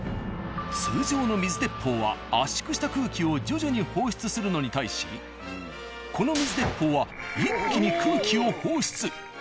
通常の水鉄砲は圧縮した空気を徐々に放出するのに対しこの水鉄砲は一気に空気を放出。